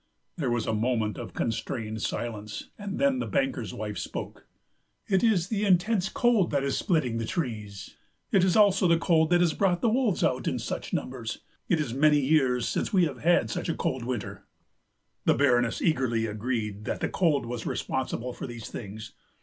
There was a moment of constrained silence, and then the banker's wife spoke. "It is the intense cold that is splitting the trees. It is also the cold that has brought the wolves out in such numbers. It is many years since we have had such a cold winter." The Baroness eagerly agreed that the cold was responsible for these things.